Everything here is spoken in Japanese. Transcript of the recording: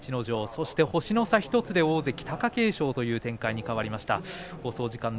そして星の差１つで大関貴景勝という展開に変わりました。